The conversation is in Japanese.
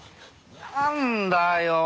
何だよ。